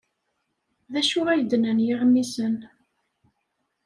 D acu ay d-nnan yiɣmisen?